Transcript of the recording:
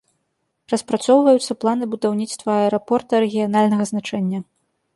Распрацоўваюцца планы будаўніцтва аэрапорта рэгіянальнага значэння.